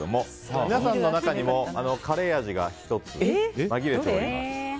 皆さんの中にもカレー味が１つまぎれております。